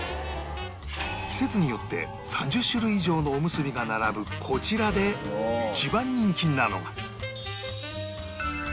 季節によって３０種類以上のおむすびが並ぶこちらで一番人気なのが